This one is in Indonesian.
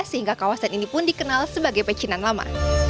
sehingga kawasan ini pun dikenal sebagai pecinan lama